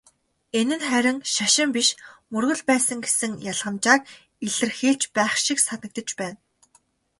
Энэ нь харин "шашин" биш "мөргөл" байсан гэсэн ялгамжааг илэрхийлж байх шиг санагдаж байна.